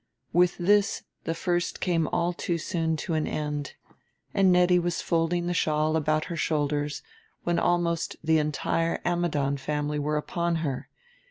With this the first came all too soon to an end, and Nettie was folding the shawl about her shoulders when almost the entire Ammidon family were upon her....